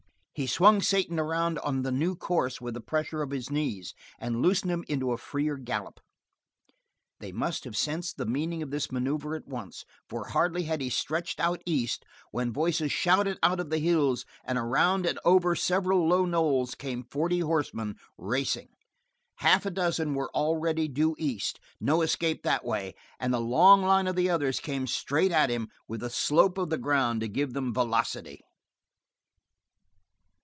He swung Satan around on the new course with a pressure of his knees and loosed him into a freer gallop. They must have sensed the meaning of this maneuver at once, for hardly had he stretched out east when voices shouted out of the hills, and around and over several low knolls came forty horsemen, racing. Half a dozen were already due east no escape that way; and the long line of the others came straight at him with the slope of the ground to give them velocity.